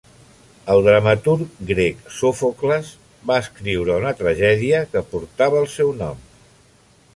El dramaturg grec Sòfocles va escriure una tragèdia que portava el seu nom.